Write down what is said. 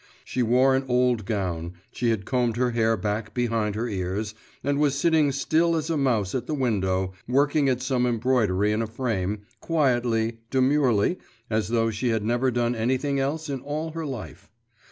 She wore an old gown, she had combed her hair back behind her ears, and was sitting still as a mouse at the window, working at some embroidery in a frame, quietly, demurely, as though she had never done anything else all her life.